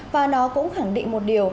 và nó cũng khẳng định một điều